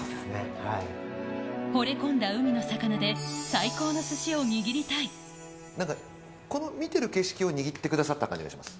惚れ込んだ海の魚で、最高のなんか、この見てる景色を握ってくださった感じがします。